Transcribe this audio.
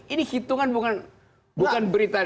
ini hitungan bukan berita